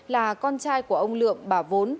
là con trai của ông lượm bà vốn